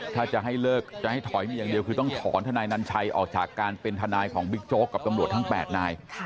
ถ้าจะให้เลิกจะให้ถอยมีอย่างเดียวคือต้องถอนทนายนัญชัยออกจากการเป็นทนายของบิ๊กโจ๊กกับตำรวจทั้ง๘นาย